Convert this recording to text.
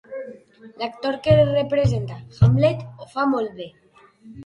L'actor que representa Hamlet ho fa molt bé.